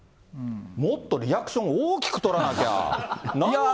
もっとリアクション大きく取らなきゃ。